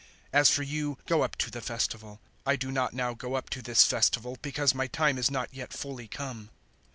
007:008 As for you, go up to the Festival. I do not now go up to this Festival, because my time is not yet fully come."